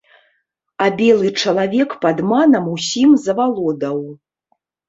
А белы чалавек падманам усім завалодаў.